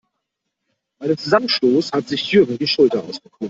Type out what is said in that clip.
Bei dem Zusammenstoß hat sich Jürgen die Schulter ausgekugelt.